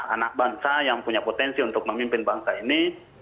anak bangsa yang punya potensi untuk memimpin bangsa ini